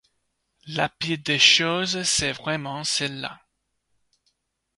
La pire des choses c'est vraiment celle-là